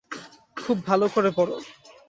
খুব ভালো করে পড়।